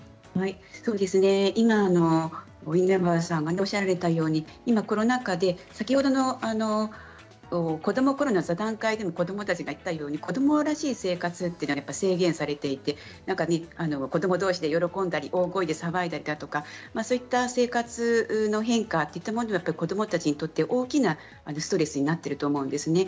今、稲葉さんがおっしゃられたようにコロナ禍で先ほどの子どもコロナ座談会でも子どもたちが言っていたように子どもらしい生活というのが制限されていて子どもどうしで喜んだり大声で騒いだりとかそういう生活の変化といったものは子どもたちにとって大きなストレスになっていると思うんですね。